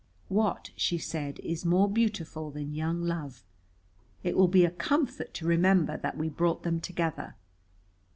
"What," she said, "is more beautiful than young love? It will be a comfort to remember that we brought them together.